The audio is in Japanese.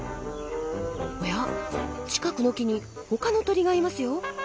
おや近くの木にほかの鳥がいますよ。